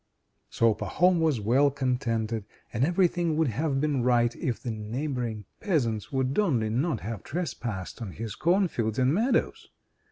III So Pahom was well contented, and everything would have been right if the neighboring peasants would only not have trespassed on his corn fields and meadows.